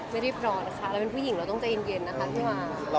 ไม่รีบรอดค่ะเราเป็นผู้หญิงเราต้องเย็นเย็นนะคะพี่หว่า